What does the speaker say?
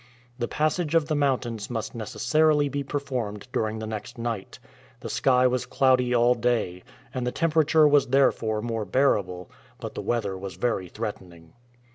The passage of the mountains must necessarily be performed during the next night. The sky was cloudy all day, and the temperature was therefore more bearable, but the weather was very threatening.